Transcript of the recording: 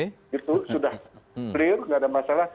itu sudah clear tidak ada masalah